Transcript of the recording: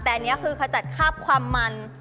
แต่อันนี้คือขจัดคาบความมัน